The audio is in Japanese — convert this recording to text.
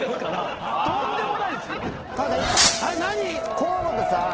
河本さん